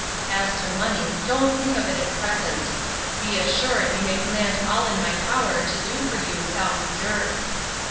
As to money, don't think of it at present. Be assured you may command all in my power to do for you without reserve.